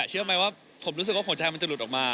เชื่อไหมว่าผมรู้สึกว่าหัวใจมันจะหลุดออกมา